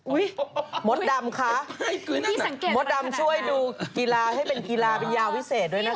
มดดำคะมดดำช่วยดูกีฬาให้เป็นกีฬาเป็นยาวิเศษด้วยนะคะ